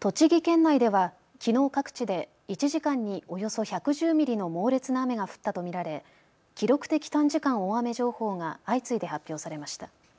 栃木県内ではきのう各地で１時間におよそ１１０ミリの猛烈な雨が降ったと見られ記録的短時間大雨情報が相次いで発表されました。